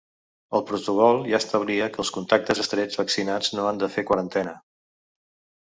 El protocol ja establia que els contactes estrets vaccinats no han de fer quarantena.